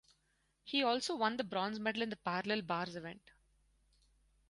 He also won the bronze medal in the parallel bars event.